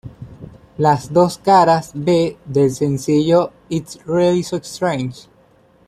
Las dos caras B del sencillo, "It Really So Strange?